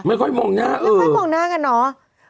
ไม่ค่อยมองหน้ากันเนอะ